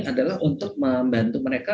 adalah untuk membantu mereka